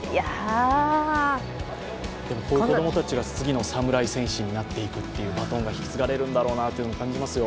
子供たちが次の侍戦士になっていくっていうバトンが引き継がれていくんだろうなって思いますよ。